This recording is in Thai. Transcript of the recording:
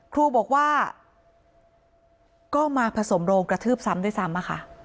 ครูบอกว่าก็มาผสมโรงกระทืบซ้ำด้วยซ้ำอะค่ะ